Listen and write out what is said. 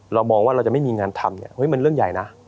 เรามองว่าเราจะไม่มีงานทำเนี่ยมันเรื่องใหญ่นะ